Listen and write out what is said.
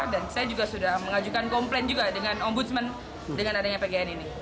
dan saya juga sudah mengajukan komplain juga dengan ombudsman dengan adanya pgn ini